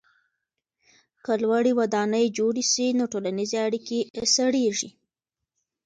که لوړې ودانۍ جوړې سي نو ټولنیزې اړیکې سړېږي.